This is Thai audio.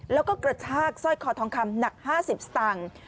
แล้วก็กระชากสร้อยคอทองคำหนัก๕๐สตางค์